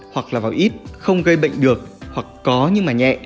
hoặc là vào ít không gây bệnh được hoặc có nhưng mà nhẹ